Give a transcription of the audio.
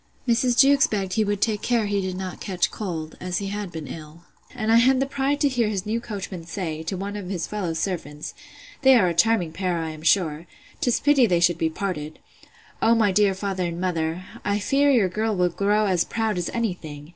Mrs. Jewkes begged he would take care he did not catch cold, as he had been ill. And I had the pride to hear his new coachman say, to one of his fellow servants, They are a charming pair, I am sure! 'tis pity they should be parted!—O my dear father and mother! I fear your girl will grow as proud as any thing!